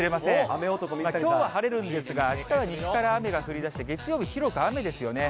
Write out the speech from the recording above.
きょうは晴れるんですが、あしたは西から雨が降りだして、月曜日、広く雨ですよね。